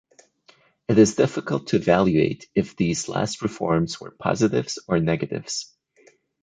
It is difficult to evaluate if these last reforms were positives or negatives.